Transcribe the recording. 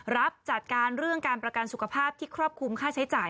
รับจัดการเรื่องการประกันสุขภาพที่ครอบคลุมค่าใช้จ่าย